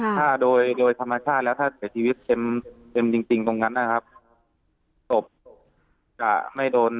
ถ้าโดยธรรมชาติแล้วการเสียชีวิตเก็มตรงนั้นนะครับสมบที่จะไม่โดน